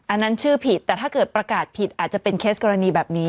อันนั้นชื่อผิดแต่ถ้าเกิดประกาศผิดอาจจะเป็นเคสกรณีแบบนี้